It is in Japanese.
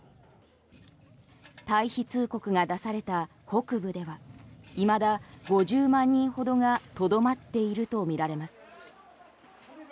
退避通告が出された北部ではいまだ５０万人ほどがとどまっているとみられます。